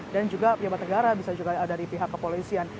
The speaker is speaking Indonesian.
dan juga pejabat negara bisa juga ada dari pihak kepolisian